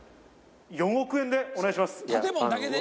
４億円でお願いします。